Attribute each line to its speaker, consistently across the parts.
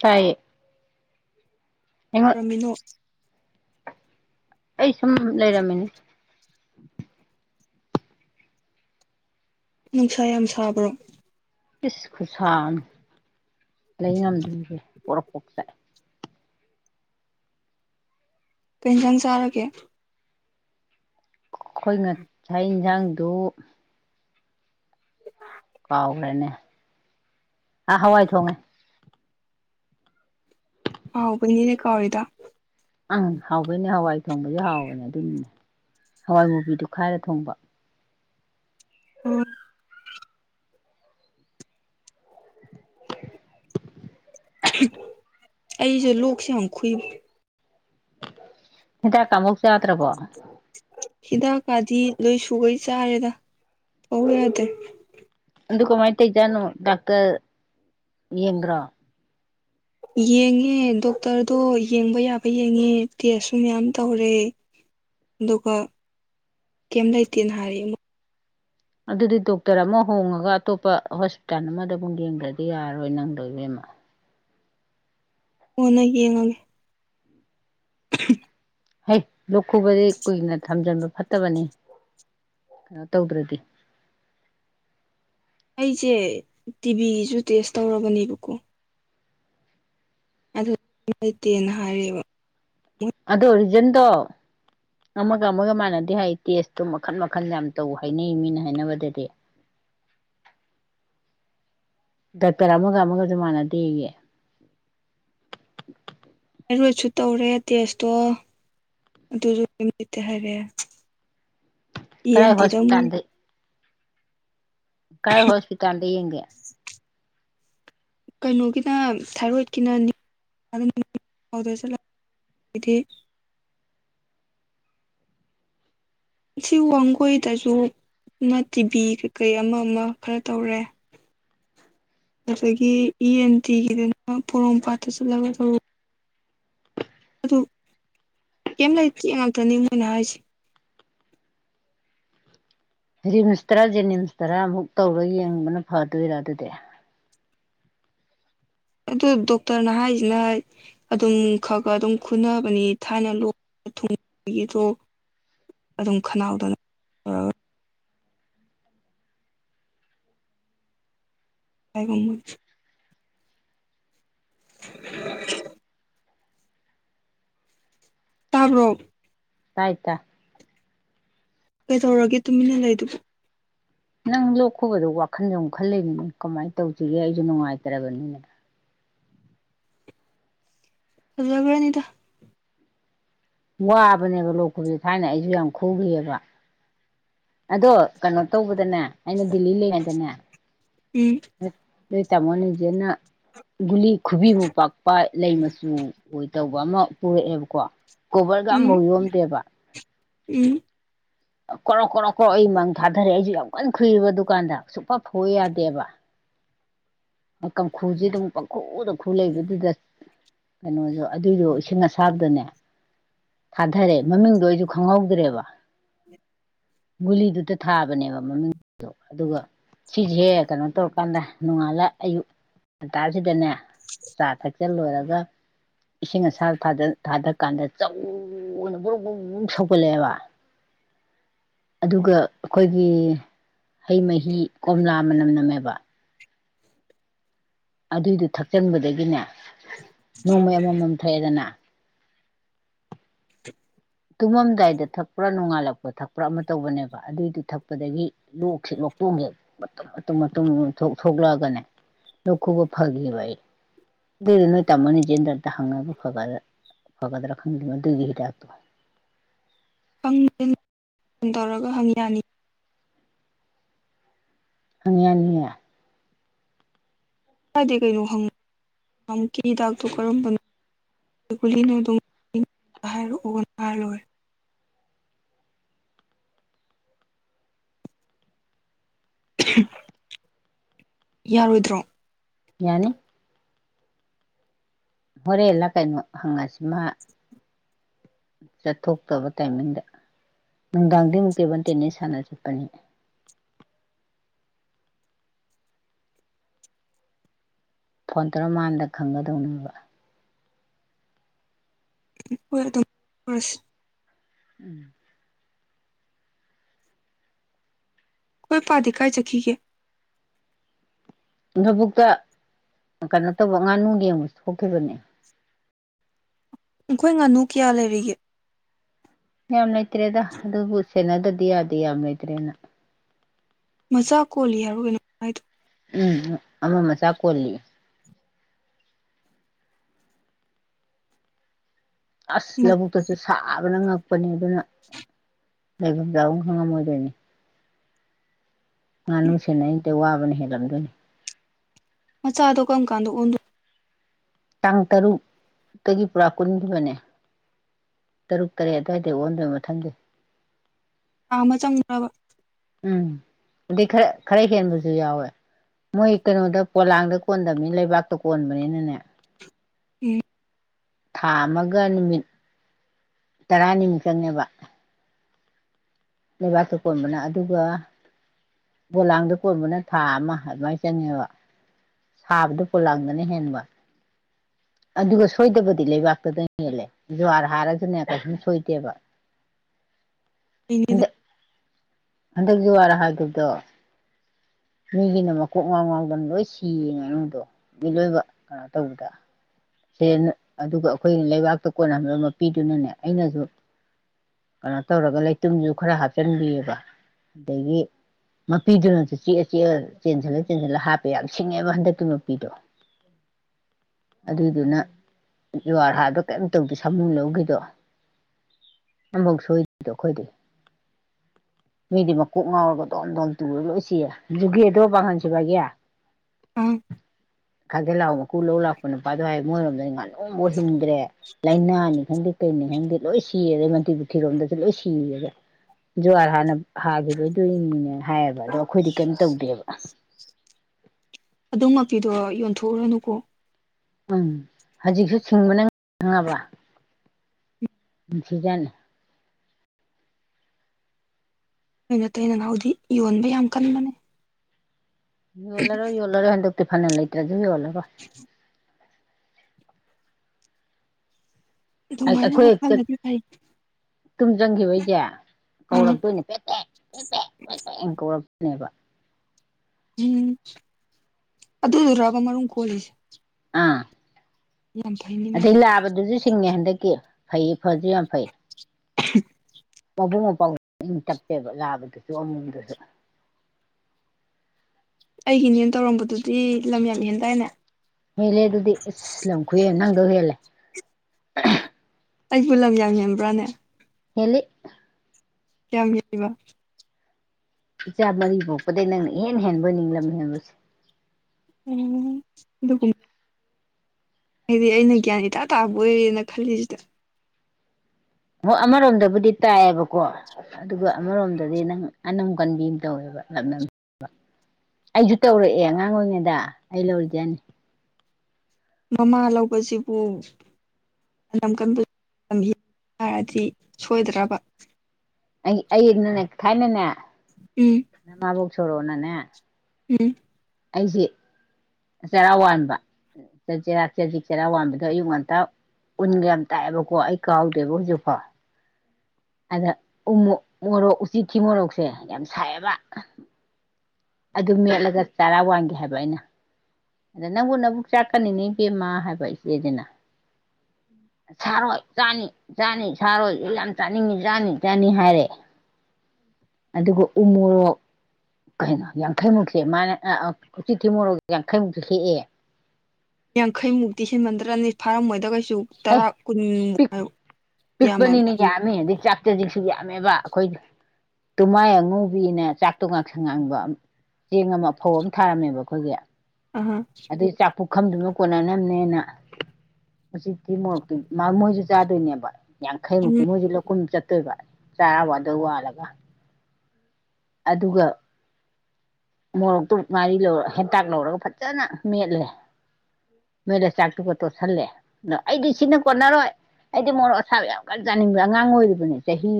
Speaker 1: ꯇꯌꯦ
Speaker 2: ꯔꯃꯤꯅꯣ
Speaker 1: ꯑꯩꯁ ꯎꯝ ꯂꯩꯔꯃꯤꯅꯦ
Speaker 2: ꯅꯨꯡꯁꯥ ꯌꯥꯝ ꯁꯥꯕ꯭ꯔꯣ
Speaker 1: ꯏꯁꯤꯁ ꯈꯨꯠꯁꯥꯡ ꯂꯩ ꯉꯝꯗ꯭ꯔꯤꯁꯦ ꯄꯣꯔꯛ ꯑꯣꯁ
Speaker 2: ꯀꯦꯟꯁꯪ ꯆꯥꯔꯒꯦ
Speaker 1: ꯑꯩꯈꯣꯏ ꯉ ꯆꯥꯛ ꯌꯦꯟꯁꯥꯡꯗꯨ
Speaker 2: [inaudible]
Speaker 1: ꯀꯥꯎꯥꯎꯔꯅꯦ ꯑ ꯍꯋꯥꯏ ꯊꯣꯡꯉꯦ
Speaker 2: ꯍꯥꯎꯕꯅꯤꯅꯦ ꯀꯥꯎꯗ
Speaker 1: ꯎꯝ ꯍꯥꯎꯕꯩꯅꯦ ꯍꯋꯥꯏ ꯊꯣꯡꯕꯁꯨ ꯍꯥꯎꯕꯅꯦ ꯎꯝ ꯍꯣꯏ ꯃꯨꯚꯗꯨ ꯈꯥꯏ ꯐꯣꯡꯕ
Speaker 2: ꯑꯣ ꯑꯩꯁꯨꯦ ꯂꯣꯛꯁꯦ ꯌꯥꯝ ꯈꯨꯨꯏꯕ
Speaker 1: ꯍꯤꯗꯥꯛ ꯀꯃꯨꯛ ꯆꯗ꯭ꯔꯕꯣ
Speaker 2: ꯍꯤꯗꯥꯥꯛ ꯀꯖꯤ ꯂꯣꯏꯁꯨ ꯇꯨꯒꯩ ꯆꯥꯔꯦꯗ ꯐꯧꯗ
Speaker 1: ꯑꯗꯨꯗꯨ ꯀꯃꯥꯏ ꯇ ꯇꯅꯨ ꯗꯥꯛꯇꯔ ꯌꯦꯡꯟꯗ꯭ꯔꯣ
Speaker 2: ꯌꯦꯡꯉꯦ ꯗꯣꯛꯇꯔꯗꯣ ꯌꯦꯡꯕ ꯌꯥꯕ ꯌꯦꯡꯉꯦ ꯇꯦꯁꯁꯨ ꯃꯌꯥꯝ ꯇꯧꯔꯦ ꯑꯗꯨꯒ ꯀꯩꯝ ꯂꯩꯇꯦꯅ ꯍꯥꯏꯔꯛꯑꯦ ꯑꯃ
Speaker 1: ꯑꯗꯨꯗꯤ ꯗꯣꯛꯇꯔ ꯑꯃ ꯍꯣꯡꯉꯒ ꯑꯇꯣꯞꯄ ꯍꯣꯁꯄꯤꯇꯥꯜ ꯑꯃꯗ ꯑꯃꯨꯛ ꯌꯦꯡꯗ꯭ꯔꯗꯤ ꯌꯥꯔꯔꯣꯏ ꯅꯪ ꯂꯣ ꯏꯕꯦꯝꯃ
Speaker 2: ꯑꯣꯅ ꯌꯦꯡꯉꯒꯦ [inaudible]
Speaker 1: ꯍ ꯂꯣꯛ ꯈꯨꯨꯕꯗꯤ ꯀꯨꯏꯅ ꯊꯝꯖꯤꯟꯕ ꯐꯠꯇꯕꯅꯤ ꯀꯩꯅꯣ ꯇꯧꯗ꯭ꯔꯗꯤ
Speaker 2: ꯑꯩꯁꯦ ꯇꯤꯚꯁꯨ ꯇꯦꯁ ꯇꯧꯔꯕꯅꯦꯕꯀꯣ ꯑꯗꯨ ꯂꯩꯇꯦꯅ ꯍꯥꯏꯔꯦꯕ
Speaker 1: ꯑꯗ ꯑꯣꯏ ꯖꯟꯗꯣ ꯑꯃꯒ ꯑꯃꯒ ꯃꯥꯟꯅꯗꯦ ꯍꯥꯏ ꯇꯦꯁꯇꯣ ꯃꯈꯜ ꯃꯈꯟ ꯌꯥꯝ ꯇꯧ ꯍꯥꯏꯅꯩ ꯃꯤꯅ ꯍꯥꯏꯅꯕꯗꯗꯤ ꯗꯣꯛꯇꯔ ꯑꯃꯒ ꯑꯃꯒꯁꯨ ꯃꯥꯟꯅꯗꯦꯌꯦ
Speaker 2: ꯑꯩꯔꯣꯏꯁꯨ ꯇꯧꯔꯦ ꯇꯦꯁꯇꯣ ꯑꯗꯨꯁꯨ ꯀꯝ ꯂꯩꯇꯦ ꯍꯥꯏꯔꯛꯑꯦ ꯏ ꯑꯦꯟ
Speaker 1: ꯀꯔ
Speaker 2: ꯇꯤꯗ ꯑꯃꯨꯛ
Speaker 1: ꯍꯣꯁꯄꯤꯇꯥꯜꯗ ꯀ ꯍꯣꯁꯄꯤꯇꯥꯜꯗ ꯌꯦꯒ
Speaker 2: ꯀꯩꯅꯣꯒꯤꯅ ꯊꯥꯏꯔꯣꯏꯗꯀꯤꯅ ꯁꯤ ꯋꯥꯡꯒꯣꯏꯗꯁꯨ ꯅ ꯇꯤꯚꯤ ꯀꯩꯀꯩ ꯑꯃ ꯑꯃ ꯈꯔ ꯇꯧꯔꯦ ꯑꯗꯨꯗꯒꯤ ꯏ ꯑꯦꯟ ꯇꯤꯒꯤꯗꯅ ꯄꯣꯔꯣꯝꯄꯥꯠꯇ ꯆꯠꯂꯒ ꯇꯧꯔ ꯀꯦꯝ ꯂꯩꯥꯛ ꯊꯅꯤ ꯃꯅ ꯍꯥꯏ
Speaker 1: ꯍꯔꯤ ꯃꯁ ꯇꯔꯥ ꯖꯦꯅꯤꯝꯁ ꯇꯔꯥꯃꯨꯛ ꯇꯧꯔꯒ ꯌꯦꯡꯕꯅ ꯐꯦ ꯑꯗꯨꯏꯔꯣ ꯑꯗꯨꯗ
Speaker 2: ꯑꯗꯨ ꯗꯣꯛꯇꯔꯅ ꯍꯥꯏꯁꯤꯅ ꯑꯗꯨꯝ ꯈꯔ ꯈꯔ ꯑꯗꯨꯝ ꯈꯨꯟꯅꯅꯕꯅꯤ ꯊꯥꯏꯅ ꯂꯣꯛ ꯊꯨꯡꯕꯒꯤꯗꯣ ꯑꯗꯨꯝ ꯈꯅꯥꯎꯗꯅ ꯍꯥꯏꯥꯏꯕꯣ ꯃ [unintelligible] ꯇꯔꯣꯛ
Speaker 1: ꯑꯥꯏ ꯇ
Speaker 2: ꯀꯩꯗꯧꯔꯒꯦ ꯇꯨꯃꯤꯟꯅ ꯂꯩꯗꯨ
Speaker 1: ꯅꯪ ꯂꯣꯛꯈꯕꯗꯣ ꯋꯥꯈꯜꯗ ꯈꯜ ꯂꯩꯕꯅꯦ ꯀꯃꯥꯏꯅ ꯇꯧꯁꯤꯒꯦ ꯑꯩꯁꯨ ꯅꯨꯡꯉꯥꯏꯇ꯭ꯔꯕꯅꯤꯅ
Speaker 2: ꯖꯒꯔꯅꯤꯗ
Speaker 1: ꯃꯥꯕꯅꯦꯗ ꯈꯕꯤ ꯊꯥꯏꯅ ꯑꯩꯁꯨ ꯌꯥꯝ ꯈꯨꯈꯤꯑꯕ ꯑꯗꯣ ꯀꯩꯅꯣ ꯇꯧꯕꯗ ꯑꯗꯨꯩꯅꯅꯦ ꯑꯩꯅ ꯗꯤꯜꯂꯤ ꯂꯩꯉꯗꯅꯦ
Speaker 2: ꯎꯝ
Speaker 1: ꯂꯩ ꯇꯥꯃꯣꯅꯤꯖꯦꯅ ꯒꯨꯂꯤ ꯈꯨꯕꯤꯕꯨ ꯄꯥꯛꯄ ꯂꯩ ꯃꯆꯨ ꯑꯣꯏ ꯇꯧꯕ ꯑꯃ ꯄꯨꯔꯛꯑꯦꯕꯀꯣ ꯣꯕꯔꯒ
Speaker 2: ꯎꯝ
Speaker 1: ꯑꯐꯥꯎ ꯌꯣꯝꯗꯦꯕ
Speaker 2: ꯎꯝ
Speaker 1: ꯀꯣ ꯀꯣ ꯍꯣ ꯑꯩ ꯃꯥꯡ ꯊꯥꯗꯔꯦ ꯑꯩꯁꯨ ꯌꯥꯝ ꯀꯣꯏꯅ ꯈꯨꯨꯏꯔꯕ ꯗꯨꯥꯟꯗ ꯁ ꯄ ꯄꯞ ꯍ ꯌꯥꯗꯦꯕ ꯀꯥꯡꯈꯨꯁꯦ ꯑꯗꯨꯝ ꯄꯈꯨ ꯇꯪꯈꯨ ꯂꯩꯕꯗꯨꯗ ꯀꯩꯅꯣꯁꯨ ꯑꯗꯨꯏꯗꯣ ꯏꯁꯤꯡ ꯑꯁꯥꯗꯅꯦ ꯊꯥꯗꯔꯦ ꯃꯃꯤꯡꯗꯣ ꯑꯩꯁꯨ ꯈꯪꯍꯧꯗ꯭ꯔꯦꯕ ꯒꯨꯂꯤꯗꯨꯗ ꯊꯥꯕꯅꯦꯕ ꯃꯃꯤꯡꯗꯣ ꯑꯗꯨꯒ ꯁꯤꯁꯦ ꯍꯦ ꯀꯩꯅꯣ ꯇꯧꯔꯀꯥꯟꯗ ꯅꯣꯡꯉꯥꯜꯂ ꯑꯌꯨꯛ ꯉꯟꯇꯥꯁꯤꯗꯅꯦ ꯆꯥ ꯊꯛ ꯆ ꯂ ꯑꯣꯏꯔꯖ ꯏꯁꯤꯡ ꯑꯁꯥꯗ ꯊꯥꯗ ꯀꯥꯟꯗ ꯆꯧꯅ ꯣꯔꯣꯛ ꯁꯧꯒꯜ ꯂꯩꯦꯕ ꯑꯗꯨꯒ ꯑꯩꯈꯣꯏꯒꯤ ꯍꯩ ꯃꯍꯤ ꯀꯣꯝꯂꯥ ꯃꯅꯝ ꯅꯝꯃꯦꯕ ꯑꯗꯨꯏꯗꯨ ꯊꯛꯆꯟꯕꯗꯒꯤꯅꯦ ꯅꯣꯡꯃꯩ ꯑꯃꯃꯝ ꯊꯣꯛꯑꯦꯗꯅ ꯇꯨꯝꯃꯝꯗꯥꯏꯗ ꯊꯛꯄ꯭ꯔꯥ ꯅꯣꯡꯉꯥꯜꯂꯛꯄ ꯀ ꯊꯛꯄ ꯑꯃ ꯇꯧꯕꯅꯦꯕ ꯑꯗꯨꯏꯗꯨ ꯊꯛꯄꯗꯒꯤ ꯂꯣꯛꯁꯤ ꯂꯣꯛꯇꯣꯛꯁꯦꯛ ꯃꯇꯨꯝ ꯃꯇꯨꯝ ꯃꯇꯨꯝ ꯊꯣꯛ ꯊꯣꯛꯂꯛꯑꯒꯅꯦ ꯂꯧꯣꯛ ꯈꯨꯕ ꯐꯈꯤꯕ ꯑꯩ ꯑꯗꯨꯔ ꯅꯣꯏ ꯇꯥꯃꯣꯅꯤꯖꯦꯟꯗꯔꯗ ꯍꯪꯉꯕꯕꯨ ꯐꯒ꯭ꯔ ꯐꯒꯗ꯭ꯔꯥ ꯈꯪꯗꯒꯤ ꯍꯔꯣ
Speaker 2: ꯍꯪꯅ ꯐꯣꯟ ꯇꯧꯔꯒ ꯍꯪ ꯌꯥꯅꯤ
Speaker 1: ꯍꯅꯤꯌꯥꯅꯤ
Speaker 2: ꯀꯥꯏꯗꯗꯤ ꯀꯩꯅꯣ ꯈꯪꯉꯨꯛꯀꯤ ꯍꯤꯗꯥꯛꯇꯣ ꯀꯔꯝꯕꯅꯣꯨꯅꯣ ꯑꯗꯨꯝ ꯍꯥꯏꯔꯛꯑꯣꯒꯅ ꯍꯥꯏ ꯂꯣꯏꯔ [unintelligible] ꯌꯥꯔꯣꯏꯗ꯭ꯔꯣ
Speaker 1: ꯌꯥꯅꯤ ꯍꯣꯔꯦꯟꯂ ꯀꯩꯅꯣ ꯍꯪꯉꯁꯤꯃ ꯆꯠꯊꯣꯛꯇꯕ ꯇꯥꯏꯃꯤꯡꯗ ꯅꯪ ꯗꯥꯡꯗ ꯃꯨ ꯀꯦꯕꯟ ꯇꯅꯦ ꯁꯥꯟꯅ ꯆ ꯑꯅꯤ ꯐꯣꯟ ꯇꯔꯥ ꯃꯥꯟꯗ ꯈꯪꯒꯗꯧꯅꯦꯕ
Speaker 2: ꯍꯣꯏ ꯑꯗꯨꯔꯁꯤ
Speaker 1: ꯎꯝ
Speaker 2: ꯍꯣꯏ ꯄꯥꯗꯤ ꯀꯥꯏꯖꯈꯤꯒꯦ
Speaker 1: ꯂꯧꯕꯨꯛꯇ ꯑꯣ ꯀꯩꯅꯅꯣ ꯉꯥꯟꯅꯨ ꯌꯦꯉꯁꯦ ꯊꯣꯛꯈꯤꯕꯕꯅꯤ
Speaker 2: ꯑꯩꯈꯣꯏ ꯉꯥꯅꯨ ꯀꯌꯥ ꯂꯩꯔꯤꯒꯦ
Speaker 1: ꯌꯥꯝ ꯂꯩꯇ꯭ꯔꯦꯗ ꯑꯗꯨꯕꯨ ꯁꯦꯟꯅꯗ꯭ꯔꯗꯤ ꯌꯥꯗꯦ ꯌꯥꯝ ꯂꯩꯇ꯭ꯔꯦꯅ
Speaker 2: ꯃꯆꯥ ꯀꯣꯜꯂꯤ ꯌꯥꯔꯅꯣ
Speaker 1: ꯎꯝ ꯑꯃ ꯃꯆꯥ ꯀꯣꯜꯂꯤ ꯑꯁ ꯂꯧꯕꯨꯛꯇꯁꯨ ꯁꯥꯕꯅ ꯉꯛꯄꯅꯦ ꯑꯗꯨꯅ ꯂꯩꯗꯥꯎ ꯈꯪꯉ ꯃꯣꯏꯔꯅꯤ ꯃꯅꯨ ꯁꯤꯅ ꯇ ꯋꯥꯕꯅ ꯍ ꯌꯥꯝꯒꯅꯤ
Speaker 2: ꯃꯆꯥꯗꯣ ꯀꯔꯝ ꯀꯥꯟꯗ ꯑꯣꯟꯗꯣ
Speaker 1: ꯇꯥꯡ ꯇꯔꯨꯛꯇꯒꯤ ꯄꯨꯔꯥ ꯀꯨꯟꯈꯤꯕꯅꯦ ꯇꯔꯨꯛ ꯇꯔꯦꯠ ꯑꯗꯨ꯭ꯋꯥꯏꯗꯩ ꯑꯣꯟꯗꯣꯏ ꯃꯊꯪꯁꯦ
Speaker 2: ꯑꯥ ꯑꯃ ꯆꯪꯕ
Speaker 1: ꯎꯝꯗꯤ ꯈꯔꯦ ꯈꯔ ꯍꯦꯟꯕꯁꯨ ꯌꯥꯎꯋꯦ ꯃꯣꯏ ꯀꯩꯅꯣꯗ ꯄꯣꯂꯥꯡꯗ ꯀꯣꯟꯗꯕꯅꯤ ꯂꯩꯕꯥꯛꯇ ꯀꯣꯟꯕꯅꯤꯅ ꯃꯅꯦ
Speaker 2: ꯎ
Speaker 1: ꯊꯥ ꯑꯃꯒ ꯅꯨꯃꯤꯠ ꯇꯔꯥꯅꯤꯃꯤ ꯈꯪꯅꯦꯕ ꯂꯩꯕꯥꯛꯇ ꯀꯣꯟꯕꯅ ꯑꯗꯨꯒ ꯒꯣꯂꯥꯡꯗ ꯀꯣꯟꯕꯅ ꯊꯥ ꯑꯃ ꯑꯗꯨꯃꯥꯏꯅ ꯆꯪꯉꯦꯕ ꯁꯥꯕꯗꯨ ꯄꯣꯜꯂꯥꯡꯒꯅ ꯍꯦꯟꯕ ꯑꯗꯨꯒ ꯁꯣꯏꯗꯕꯗꯤ ꯂꯩꯕꯥꯛꯇꯗ ꯍꯦꯜꯂꯦ ꯖꯨꯍꯥꯔ ꯍꯥꯔꯁꯨꯅꯦ ꯀꯩꯁꯨꯝ ꯁꯣꯏꯗꯦꯕ
Speaker 2: ꯑꯩꯅꯦ
Speaker 1: ꯑꯗ ꯑꯗ ꯋꯥꯔ ꯍꯥꯏ ꯑꯗꯨꯗꯣ ꯃꯤꯒꯤꯅ ꯃꯀꯣꯛ ꯉꯥꯎ ꯉꯥꯎꯗꯅ ꯂꯣꯏ ꯁꯤꯔꯉꯗꯣ ꯃꯤꯠꯂꯣꯏꯕ ꯀꯩꯅꯣ ꯇꯧꯕꯗ ꯁ ꯑꯗꯨꯒ ꯑꯩꯈꯣꯏ ꯂꯩꯕꯥꯛꯇ ꯀꯣꯟꯅꯍꯟꯕ ꯃꯄꯤꯗꯨꯅꯅꯦ ꯑꯩꯅꯁꯨ ꯀꯩꯅꯣ ꯇꯧꯔꯒ ꯂꯩꯇꯨꯝꯁꯨ ꯈꯔ ꯍꯥꯞꯆꯤꯟꯕꯤꯑꯕ ꯑꯗꯒꯤ ꯃꯄꯤꯗꯨꯅꯁꯨ ꯆꯦꯛꯑ ꯆꯦꯛꯑ ꯆꯦꯟꯁꯤꯜꯂ ꯆꯦꯟꯁꯤꯜꯂ ꯍꯥꯞꯄꯦ ꯌꯥꯝ ꯁꯤꯡꯉꯦꯕ ꯍꯟꯗꯛꯀꯤ ꯃꯄꯤꯗꯣ ꯑꯗꯨꯏꯗꯨꯅ ꯖꯨꯍꯔ ꯍꯥꯥꯗꯣ ꯀꯩꯝ ꯇꯧꯗꯦ ꯁꯥꯃꯨ ꯂꯧꯈꯤꯗꯣ ꯉꯝꯕꯧ ꯁꯣꯏꯗꯗꯣ ꯑꯩꯈꯣꯏꯗꯤ ꯃꯤꯗꯤ ꯃꯀꯣꯛ ꯉꯥꯎꯔꯒ ꯗꯣꯝ ꯗꯣꯝ ꯇꯨꯔꯒ ꯂꯣꯏ ꯁꯤꯔꯦ ꯨꯒꯦꯗꯣ ꯄꯥꯡꯍꯟꯁꯤꯕꯒꯦ
Speaker 2: ꯑꯪ
Speaker 1: ꯀꯖꯤ ꯂꯑꯣ ꯀꯨ ꯂꯧꯧ ꯂꯥꯛ ꯑꯩ ꯅꯨꯄꯥꯗꯣ ꯍꯥꯏ ꯃꯣꯏꯔꯣꯝꯗꯗꯤ ꯉꯥꯅꯨꯕꯨ ꯍꯤꯡꯗ꯭ꯔꯦ ꯂꯥꯏꯅꯥꯅꯤ ꯈꯪꯗꯦ ꯀꯩꯅ ꯈꯪꯗꯤ ꯂꯣꯏ ꯁꯤꯌꯦꯗ ꯃꯟꯇꯤ ꯄꯨꯊꯤꯔꯣꯝꯗꯗꯤ ꯂꯣꯏ ꯁꯤꯌꯦꯗ ꯖꯨꯍꯥꯔ ꯍꯥꯟꯅ ꯍꯥꯈꯤꯕꯒꯤꯗꯨ ꯏ ꯃꯅꯦ ꯍꯥꯏꯌꯦꯕ ꯑꯗꯣ ꯑꯩꯈꯣꯏꯗꯤ ꯀꯩꯝ ꯇꯧꯗꯦꯕ
Speaker 2: ꯑꯗꯨꯝ ꯃꯄꯤꯗꯣ ꯌꯣꯟꯊꯣꯛꯎꯔꯅꯨꯀꯣ
Speaker 1: ꯎꯝ ꯍꯧꯖꯤꯛꯁꯨ ꯊꯤꯡꯕꯅ ꯈꯪꯉꯕ ꯁꯤꯒꯅ
Speaker 2: ꯅ ꯅꯠꯇ ꯅꯅꯥꯍꯎꯗꯤ ꯌꯣꯟꯕ ꯌꯥꯝ ꯀꯟꯕꯅꯦ
Speaker 1: ꯌꯣꯜꯂꯔꯣꯏ ꯌꯣꯜꯂꯔꯣꯏ ꯍꯟꯗꯛꯇꯤ ꯐꯅ ꯂꯩꯇ꯭ꯔꯁꯨ ꯌꯣꯜꯂꯔꯣꯏ
Speaker 2: ꯑꯗꯨꯃꯥꯏꯅꯕꯨ
Speaker 1: ꯑꯩꯈꯣꯏ ꯍ
Speaker 2: ꯈꯜꯂꯗꯤ ꯐꯩ
Speaker 1: ꯇꯨꯝ ꯆꯪꯈꯤꯕꯩꯁꯦ
Speaker 2: ꯑꯥ
Speaker 1: ꯀꯧꯔꯛꯇꯣꯏꯅꯦ ꯀꯧꯔꯛꯇꯣꯏꯅꯦꯕ
Speaker 2: ꯎꯝ ꯑꯗꯨꯗꯨꯔꯒ ꯃꯔꯨꯝ ꯈꯣꯜꯂꯤꯁꯦ
Speaker 1: ꯑꯥ ꯑꯗꯩ
Speaker 2: ꯃꯥꯗꯤ
Speaker 1: ꯂꯥꯕꯗꯨꯁꯨ ꯁꯤꯡꯉꯦ ꯍꯟꯗꯛꯀꯤ ꯐꯩ ꯐꯁꯨ ꯌꯥꯝ ꯐꯩ ꯃꯕꯨꯡ ꯃꯧꯄꯥꯎ ꯏꯪ ꯆꯞꯄꯦꯕ ꯂꯥꯕꯗꯨꯁꯨ ꯑꯃꯣꯝꯗꯨꯁꯨ
Speaker 2: ꯑꯩꯒꯤꯅꯦꯅ ꯇꯧꯔꯝꯕꯗꯨꯗꯤ ꯂꯝ ꯌꯥꯝ ꯏꯍꯟ ꯇꯥꯏꯅꯦ
Speaker 1: ꯍꯦꯜꯂꯦ ꯑꯗꯨꯗꯤ ꯑꯁ ꯂꯝ ꯀꯨꯏꯍꯦ ꯅꯪꯗ ꯍꯦꯜꯂꯦ [unintelligible]
Speaker 2: ꯑꯩꯕꯨ ꯂꯝ ꯌꯥꯝ ꯅꯕ꯭ꯔꯥꯅꯦ
Speaker 1: ꯍꯂ
Speaker 2: ꯀ ꯌꯥꯕ
Speaker 1: ꯏꯆꯥ ꯃꯔꯤ ꯐꯣꯛꯄꯗꯩ ꯅꯪꯅ ꯏꯍꯦꯟ ꯍꯦꯟꯕꯣꯏ ꯅꯤꯡꯂꯝ ꯍꯦꯟꯕꯁꯦ
Speaker 2: ꯎꯝ ꯍꯥꯏꯗꯤ ꯑꯩꯅ ꯒ꯭ꯌꯥꯟ ꯏꯇꯥ ꯇꯥꯕ ꯑꯣꯏꯔꯦꯅ ꯈꯜꯂꯤꯁꯤꯗ
Speaker 1: ꯃꯣꯏ ꯑꯃꯔꯣꯝꯗꯕꯨꯗꯤ ꯇꯥꯏꯑꯕꯀꯣ ꯑꯗꯨꯒ ꯑꯃꯔꯣꯝꯗꯗꯤ ꯅꯪ ꯑꯅ ꯑꯃꯨꯛ ꯀꯟꯕꯤ ꯑꯃ ꯇꯧꯋꯦꯕ ꯂꯞꯅ ꯑꯩꯁꯨ ꯇꯧꯔꯛꯑꯦ ꯑꯉꯥꯡ ꯑꯣꯏꯔꯤꯉꯩꯗ ꯑꯩ ꯂꯧꯔꯤꯖꯅꯤ
Speaker 2: ꯃꯃꯥ ꯂꯧꯕꯁꯤꯕꯨ ꯀꯟꯕꯨ ꯍꯥꯏꯔꯗꯤ ꯁꯣꯏꯗ꯭ꯔꯕ
Speaker 1: ꯑꯩ ꯑꯩꯅꯅꯦ ꯊꯥꯏꯅꯅꯦ
Speaker 2: ꯎꯝ
Speaker 1: ꯅꯃꯥꯕꯧ ꯁꯣꯔꯣꯅꯅꯦ
Speaker 2: ꯎꯝ
Speaker 1: ꯑꯩꯁꯤ ꯆꯔꯥ ꯋꯥꯕ ꯆꯩꯔꯥꯛ ꯆꯖꯤꯛ ꯆꯔꯥ ꯋꯥꯟꯗꯣ ꯑꯌꯨꯛ ꯉꯟꯇꯥ ꯎꯟꯒ ꯌꯥꯝ ꯇꯥꯛꯑꯦꯕꯀꯣ ꯑꯩ ꯀꯥꯎꯗꯦꯕ ꯍꯧꯖꯤꯛꯐꯥꯎ ꯑꯗ ꯎꯣꯛ ꯃꯣꯔꯣꯛ ꯎꯆꯤꯊꯤ ꯃꯣꯔꯣꯛꯁꯦ ꯌꯥꯝ ꯁꯥꯏꯑꯦꯕ ꯑꯗꯨ ꯃꯦꯠꯂꯒ ꯆꯥꯔꯥ ꯋꯥꯡꯒꯦ ꯍꯥꯏꯕ ꯑꯩꯅ ꯑꯗ ꯅꯪꯕꯨ ꯅꯕꯨꯛ ꯆꯥꯛꯀꯅꯤꯅꯦ ꯏꯕꯦꯝꯃ ꯍꯥꯏꯕ ꯏꯆꯦꯗꯅ ꯁꯥꯔꯣꯏ ꯆꯥꯅꯤ ꯆꯥꯅꯤ ꯁꯥꯔꯣꯏ ꯌꯥꯝ ꯆꯥꯅꯤꯡꯉꯤ ꯆꯥꯅꯤ ꯆꯥꯅꯤ ꯍꯥꯏꯔꯦ ꯑꯗꯨꯒ ꯎ ꯃꯣꯔꯣꯛ ꯀꯩꯅꯣ ꯌꯥꯡꯈꯩꯃꯨꯛꯁꯦ ꯃꯥꯅ ꯎꯆꯤꯊꯤ ꯃꯣꯔꯣꯛꯁꯦ ꯌꯥꯡꯈꯩꯃꯨꯛꯁ ꯍꯦꯛꯑꯦ
Speaker 2: ꯌꯥꯡꯈꯩ ꯃꯨꯛꯇꯁꯤ ꯃꯟꯔꯥꯅꯤ ꯐꯥꯔꯃꯣꯏꯗ ꯀꯩꯁꯨ ꯁꯨ ꯇꯔꯥ
Speaker 1: ꯍꯩ
Speaker 2: ꯀꯨꯟꯃꯨ
Speaker 1: ꯄꯤꯛ ꯄꯤꯛꯄꯅꯤꯅ
Speaker 2: ꯌꯥꯝꯂꯕ꯭ꯔ
Speaker 1: ꯌꯥꯝꯃꯦ ꯑꯗꯩ ꯆꯥꯛ ꯆꯖꯤꯛꯁꯨ ꯌꯥꯝꯃꯦꯕ ꯑꯩꯈꯣꯏꯗ ꯇꯨꯃꯥꯏ ꯑꯉꯧꯕꯤꯅ ꯆꯥꯛꯇꯣ ꯉꯥꯡꯁꯪ ꯉꯥꯡꯕ ꯆꯦꯡ ꯑꯃ ꯑꯐꯧ ꯑꯃ ꯊꯥꯔꯝꯃꯦꯕ ꯑꯩꯈꯣꯏꯒꯤ
Speaker 2: ꯑꯍ
Speaker 1: ꯑꯗꯨꯩ ꯆꯥꯛꯐꯨ ꯈꯝꯗꯨꯅ ꯀꯣꯟꯅꯅꯕꯅꯦꯅ ꯃꯁꯤꯁꯤ ꯀ ꯃꯨꯔꯇ ꯃꯥ ꯃꯣꯏꯁꯨ ꯆꯥꯗꯣꯏꯅꯦꯕ
Speaker 2: ꯎꯝ
Speaker 1: ꯌꯥꯡꯈꯩꯃꯨꯛꯛꯇꯦ ꯃꯣꯏꯁꯨ ꯂꯧꯈꯨꯝ ꯆ ꯆꯥꯔꯥ ꯋꯥꯗꯂꯒ ꯑꯗꯨꯒ ꯃꯣꯔꯣꯛꯇꯨ ꯉꯥꯔꯤ ꯂꯧꯔ ꯍꯦꯟꯇꯥꯛ ꯂꯧꯔꯒ ꯐꯖꯅ ꯃꯦꯠꯂꯦ ꯃꯦꯠꯂ ꯆꯥꯛꯇꯨꯒ ꯇꯣꯠꯁꯜꯂꯦ ꯑꯗꯣ ꯑꯩꯗꯤ ꯁꯤꯅ ꯀꯣꯟꯅꯔꯣꯏ ꯑꯩꯗꯤ ꯃꯣꯔꯣꯛ ꯑꯁꯥꯕ ꯌꯥꯝ ꯀꯟꯅ ꯆꯥꯅꯤꯡꯕ ꯑꯉꯥꯡ ꯑꯣꯏꯔꯤꯕꯅꯤ ꯆꯍꯤ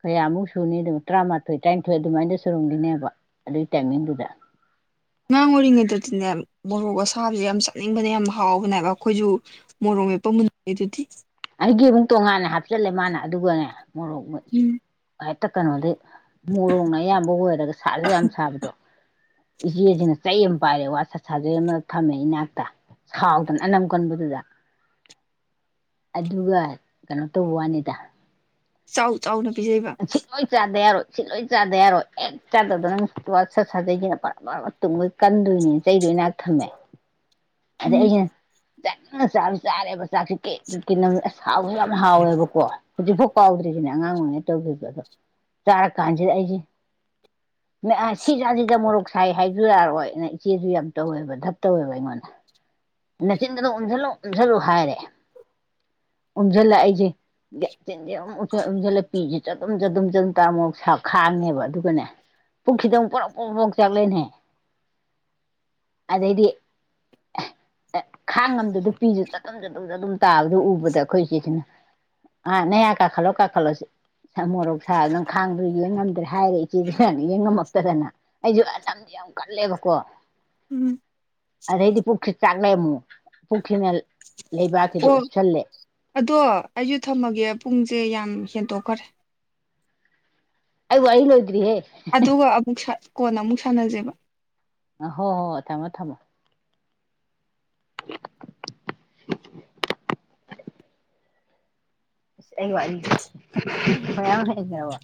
Speaker 1: ꯀꯌꯥꯃꯨꯛ ꯁꯨꯅꯤ ꯑꯗꯨ ꯇꯔꯥꯃꯥꯊꯣꯏ ꯇꯔꯥꯅꯤꯊꯣꯏ ꯑꯗꯨꯃꯥꯏꯅ ꯁꯨꯔꯝꯈꯤꯅꯦꯕ ꯑꯗꯨꯒꯤ ꯇꯥꯏꯃꯤꯡꯗꯨꯗ
Speaker 2: ꯉꯥꯡ ꯑꯣꯏꯔꯤꯉꯦꯠꯇ꯭ꯔ ꯌꯥꯝ ꯃꯣꯔꯣꯛ ꯑꯁꯥꯕꯁ ꯌꯥꯝ ꯆꯥꯅꯤꯡꯕꯅꯦ ꯌꯥꯝ ꯍꯥꯎꯕꯅꯦꯕ ꯑꯩꯈꯣꯏꯁꯨ ꯃꯣꯔꯣꯛ ꯃꯦꯞꯄ ꯃꯨꯟꯅꯦ ꯑꯗꯨꯗꯤ
Speaker 1: ꯑꯩꯒꯤ ꯑꯃꯨꯛ ꯇꯣꯉꯥꯟꯅꯦ ꯍꯥꯞꯆꯤꯜꯂꯦ ꯃꯥꯅ ꯑꯗꯨꯒꯅꯦ ꯃꯣꯔꯣꯛ
Speaker 2: ꯎꯝ
Speaker 1: ꯍꯦꯛꯇ ꯀꯩꯅꯣꯗꯤ ꯃꯣꯔꯣꯛꯅ ꯑꯌꯥꯝꯕ ꯑꯣꯏꯔꯒ ꯁꯥꯠꯂꯦ ꯌꯥꯝ ꯁꯥꯕꯗꯣ ꯏꯦꯖꯤꯅ ꯇ ꯄꯥꯏꯔꯦ ꯋꯥ ꯁꯥ ꯁꯥꯖꯩ ꯑꯃ ꯊꯝꯃꯦ ꯏꯅꯥꯛꯇ ꯁꯥꯎꯗꯅ ꯑꯅꯝ ꯀꯟꯕꯗꯨꯗ ꯑꯗꯨꯒ ꯀꯩꯅꯣ ꯇꯧꯕ ꯋꯥꯅꯤꯗ
Speaker 2: ꯆꯥꯎ ꯆꯥꯎꯅ ꯄꯤꯖꯩꯕ
Speaker 1: ꯑꯁꯤ ꯂꫭꯏ ꯆꯥꯗ ꯌꯥꯔꯣꯏ ꯁꯤ ꯂꯣꯏ ꯆꯥꯗ ꯌꯥꯔꯣꯏ ꯑꯦꯠ ꯆꯥꯗꯕꯗ ꯅꯪ ꯁꯠ ꯁꯥꯖꯩꯒꯤ ꯅꯨꯄꯥ ꯕꯔ ꯕꯔ ꯇꯨꯝꯒꯩ ꯀꯟꯗꯣꯏꯅꯤ ꯆꯩꯒꯩꯅ ꯊꯝꯃꯦ ꯑꯗ
Speaker 2: ꯎꯝ
Speaker 1: ꯑꯩꯩꯅ ꯆꯥꯅꯤꯅ ꯆꯥꯗꯤ ꯆꯔꯦꯕ ꯆꯥꯛꯁꯦ ꯀꯤꯠ ꯀꯤꯠ ꯀꯤꯠ ꯅꯝꯃꯒ ꯑꯁ ꯍꯥꯎꯁꯨ ꯌꯥꯝ ꯍꯥꯎꯋꯦꯕꯀꯣ ꯍꯧꯖꯤꯛꯐꯥꯎ ꯀꯥꯎꯗ꯭ꯔꯤꯖꯤꯅꯦ ꯑꯉꯥꯡ ꯑꫭꯏꯔꯤꯉꯩ ꯇꯧꯘ꯭ꯔꯁꯨ ꯑꯗꯨ ꯆꯥꯔ ꯀꯥꯟꯁꯤꯗ ꯑꯩꯁꯦ ꯅ ꯑꯥ ꯁꯤꯥꯖꯤ [unintelligible] ꯃꯣꯔꯣꯛ ꯁꯥꯏ ꯍꯥꯏꯖꯨ ꯌꯥꯔꯣꯏ ꯑꯅ ꯏꯆꯦꯁꯨ ꯌꯥꯝ ꯇꯧꯋꯦꯕ ꯙꯞ ꯇꯧꯋꯦꯕ ꯑꯩꯉꯣꯟꯗ ꯅꯦꯆꯤꯟꯒꯗꯨ ꯎꯝꯖꯟꯂꯨ ꯎꯝꯁꯜꯂꯨ ꯍꯥꯏꯔꯦ ꯎꯝꯁꯤꯜꯂ ꯑꯩꯁꯦ ꯌ ꯆꯤꯟꯖꯤ ꯎꯝꯖꯜꯂ ꯄꯤꯁꯦ ꯆꯗꯨꯝ ꯆꯗꯨꯝ ꯆꯗꯨꯝ ꯆꯗꯨꯝ ꯇꯥꯔ ꯃ ꯁꯥꯕ [unintelligible] ꯑꯗꯨꯒꯅꯦ ꯄꯨꯛꯁꯤꯗ ꯑꯃꯨꯛ ꯄꫭꯔꫭꯛ ꯄꫭꯔꫭꯛ ꯄꫭꯔꫭꯛ ꯆꯥꯛꯂꯦꯑꯦꯅꯍꯦ ꯑꯗꯩꯗꯤ ꯑ ꯈꯥꯡ ꯉꯝꯗꯕꯩ ꯄꯤꯁꯨ ꯆꯗꯨꯝ ꯆꯗꯨꯝ ꯆꯗꯨꯝ ꯇꯥꯕꯗꯣ ꯎꯕꯗ ꯑꯩꯈꯣꯏ ꯏꯆꯦꯁꯤꯅ ꯑꯥ ꯅꯌꯥ ꯀꯥꯈꯠꯂꯣ ꯀꯥꯈꯠꯂꯣ ꯁ ꯃꯣꯔꯣꯛ ꯁꯥꯕ ꯅꯪ ꯈꯥꯡꯕ ꯌꯦꯡ ꯉꯝꯗ꯭ꯔꯦ ꯍꯥꯏꯔꯦ ꯏꯆꯦꯁꯤꯅ ꯌꯦꯡ ꯉꯝꯃꯛꯇꯗꯅ ꯑꯩꯁꯨ ꯑꯁ ꯌꯥꯝ ꯀꯜꯂꯦꯕꯀꯣ
Speaker 2: ꯎꯝ
Speaker 1: ꯑꯗꯩꯗꯤ ꯆꯥꯛꯂꯦ ꯑꯃꯨꯛ ꯄꯨꯛꯁꯤꯅ ꯂꯩꯕꯥꯛꯁꯤꯗ
Speaker 2: ꯑꯣ
Speaker 1: ꯎꯞꯁꯜꯂꯦ
Speaker 2: ꯑꯗꯣ ꯑꯩꯁꯨ ꯊꯝꯃꯒꯦ ꯄꯨꯡꯁꯦ ꯌꯥꯝ ꯍꯦꯟꯗꯣꯛꯈꯔꯦ
Speaker 1: ꯑꯣ ꯋꯥꯔꯤ ꯂꫭꯏꯗ꯭ꯔꯤ ꯍꯦ
Speaker 2: ꯑꯗꯨꯒ ꯑꯃꯨꯛ ꯁꯥ- ꯀꯣꯟꯅ ꯑꯃꯨꯛ ꯁꯥꯟꯅꯖꯦꯕ
Speaker 1: ꯍꯣ ꯍꯣ ꯍꫭ ꯊꯝꯃꯣ ꯊꯥꯝꯃꯣ ꯑꯁ ꯑꯩ ꯋꯥꯔꯤ [unintelligible]